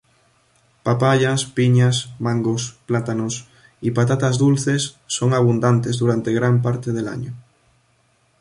Papayas, piñas, mangos, plátanos y patatas dulces son abundantes durante gran parte del año.